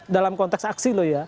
dalam konteks aksi loh ya